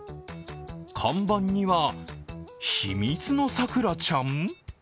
看板には「秘密のさくらちゃん」？